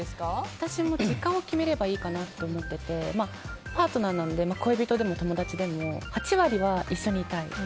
私も時間を決めればいいかなと思っていてパートナーなので恋人でも友達でも８割は一緒にいたい。